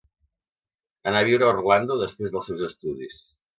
Anà a viure a Orlando després dels seus estudis.